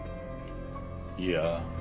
いや。